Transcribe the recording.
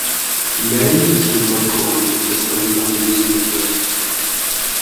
Lei è sul balcone mentre sta guidando i visitatori.